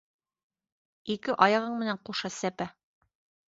Ике аяғың менән ҡуша сәпә!